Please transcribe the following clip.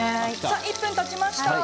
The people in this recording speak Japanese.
１分たちました。